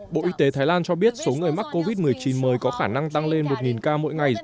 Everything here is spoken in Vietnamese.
bộ y tế thái lan cho biết số người mắc covid một mươi chín mới có khả năng tăng lên một ca mỗi ngày